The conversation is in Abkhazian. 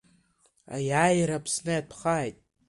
Аиааира Аԥсны иатәхааит!